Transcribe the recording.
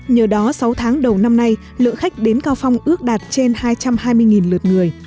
nhờ đó sáu tháng đầu năm nay lượng khách đến cao phong ước đạt trên hai trăm hai mươi lượt người